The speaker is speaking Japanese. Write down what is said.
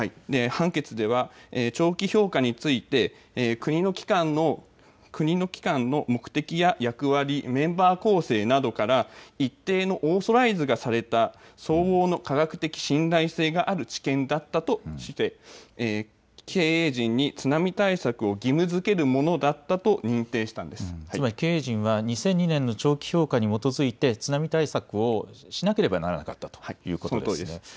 判決では、長期評価について国の機関の目的や役割、メンバー構成などから、一定のオーソライズがされた相応の科学的信頼性のある知見だったとして、経営陣に津波対策を義務づけるものだったと認定したんでつまり、経営陣は２００２年の長期評価に基づいて、津波対策をしなければならなかったというそのとおりです。